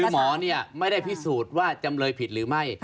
หมอไม่ได้พิสูจน์ว่าจำเลยผิดหรือไม่